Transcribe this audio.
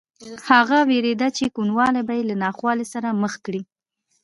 هغه وېرېده چې کوڼوالی به یې له ناخوالې سره مخ کړي